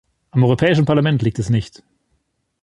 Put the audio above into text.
Am Europäischen Parlament liegt es nicht.